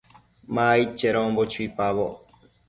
Ma aid chedonbo chuipaboc